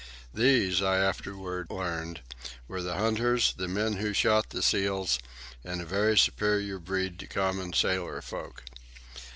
These, I afterward learned, were the hunters, the men who shot the seals, and a very superior breed to common sailor folk.